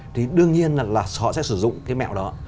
thì đương nhiên là họ sẽ sử dụng cái mẹo đó